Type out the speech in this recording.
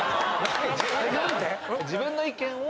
自分の意見を？